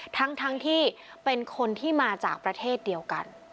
ทั้งที่เป็นคนที่มาจากประเทศเดียวกัน